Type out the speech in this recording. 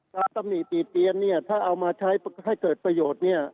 ตำหนิติเตียนเนี่ยถ้าเอามาใช้ให้เกิดประโยชน์เนี่ย